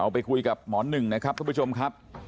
ไปคุยกับหมอหนึ่งนะครับทุกผู้ชมครับ